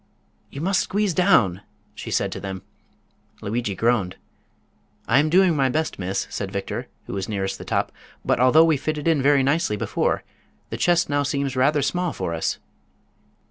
"You must squeeze down," she said to them. Lugui groaned. "I am doing my best, miss," said Victor, who was nearest the top; "but although we fitted in very nicely before, the chest now seems rather small for us."